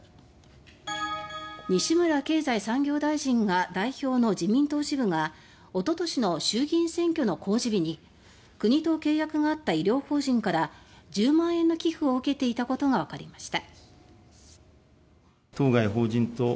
西村経済産業大臣が代表の自民党支部がおととしの衆議院選挙の公示日に国と契約があった医療法人から１０万円の寄付を受けていたことがわかりました。